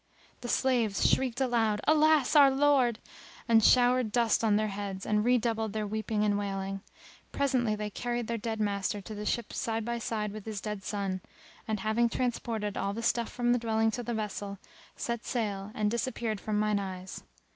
The slaves shrieked aloud, "Alas, our lord!" and showered dust on their heads and redoubled their weeping and wailing. Presently they carried their dead master to the ship side by side with his dead son and, having transported all the stuff from the dwelling to the vessel, set sail and disappeared from mine eyes.